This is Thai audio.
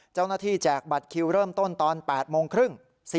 เจ้าหน้าที่แจกบัตรคิวเริ่มต้นตอน๘โมงครึ่ง